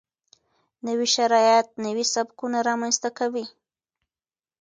نوي شرایط نوي سبکونه رامنځته کوي.